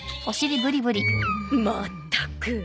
まったく。